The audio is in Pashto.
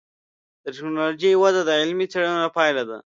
د ټکنالوجۍ وده د علمي څېړنو پایله ده.